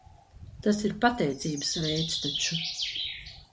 Tas ir pateicības veids taču.